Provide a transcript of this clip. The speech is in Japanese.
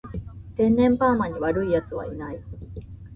天然パーマに悪い奴はいない